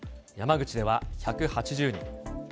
山口では１８０人。